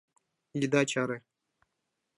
Ида чаре!